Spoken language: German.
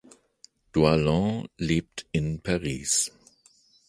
Doillon lebt in Paris.